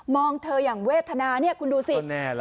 เธออย่างเวทนาเนี่ยคุณดูสิ